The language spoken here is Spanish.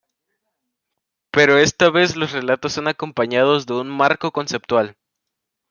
Pero esta vez los relatos son acompañados de un marco conceptual.